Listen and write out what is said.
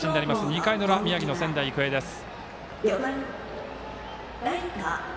２回の裏宮城の仙台育英です。